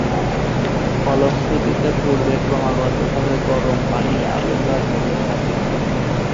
ফলশ্রুতিতে পূর্বে ক্রমাগতভাবে গরম পানির আবির্ভাব হতে থাকে।